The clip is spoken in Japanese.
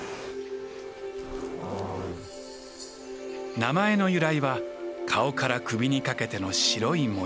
名前の由来は顔から首にかけての白い模様。